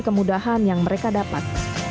kemudahan yang mereka dapat